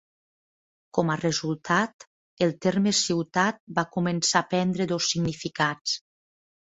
Com a resultat, el terme "ciutat" va començar a prendre dos significats.